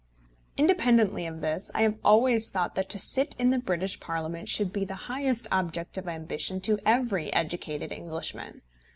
Independently of this, I have always thought that to sit in the British Parliament should be the highest object of ambition to every educated Englishman.